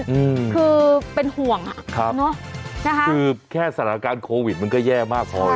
อืมคือเป็นห่วงอ่ะครับเนอะนะคะคือแค่สถานการณ์โควิดมันก็แย่มากพอ